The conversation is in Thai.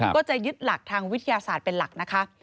ก็จะยึดหลักทางวิทยาศาสตร์เป็นหลักนะคะ